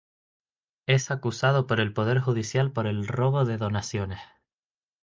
Es acusado por el poder judicial por el robo de donaciones.